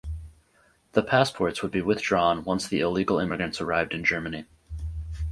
The passports would be withdrawn once the illegal immigrants arrived in Germany.